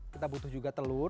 kita butuh juga telur